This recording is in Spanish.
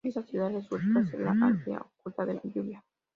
Esta ciudad resulta ser la Aldea Oculta de la Lluvia.